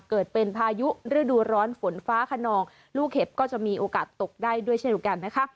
เกิดเป็นพายุฤดูร้อนฝนฟ้าขนองลูกเห็บก็จะมีโอกาสตกได้ด้วยเช่นเดียวกันนะคะ